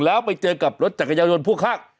แล้วไปเจอกับรถจักรยานยนต์ผู้คัก